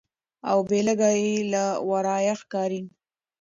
او بیلګه یې له ورایه ښکاري.